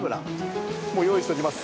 もう用意しておきます。